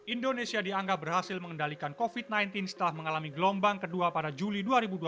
indonesia dianggap berhasil mengendalikan covid sembilan belas setelah mengalami gelombang kedua pada juli dua ribu dua puluh